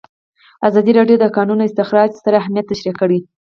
ازادي راډیو د د کانونو استخراج ستر اهميت تشریح کړی.